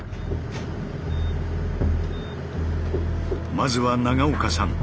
まずは長岡さん